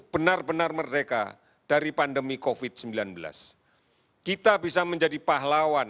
bakal berwawasan ini edukasi kita